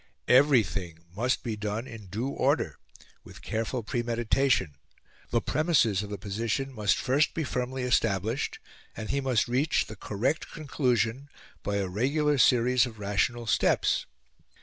Everything must be done in due order, with careful premeditation; the premises of the position must first be firmly established; and he must reach the correct conclusion by a regular series of rational steps.